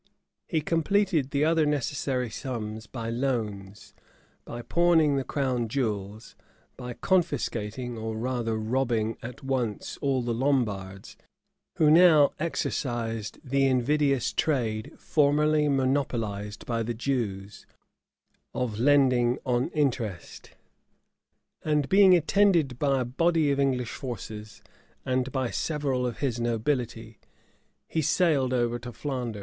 He completed the other necessary sums by loans, by pawning the crown jewels, by confiscating or rather robbing at once all the Lombards, who now exercised the invidious trade formerly monopolized by the Jews, of lending on interest;[] and being attended by a body of English forces, and by several of his nobility, he sailed over to Flanders.